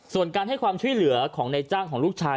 ส่วนการให้ความช่วยเหลือของในจ้างของลูกชาย